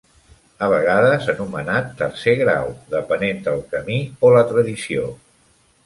A vegades anomenat Tercer Grau, depenent del camí o la tradició.